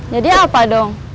jadi apa dong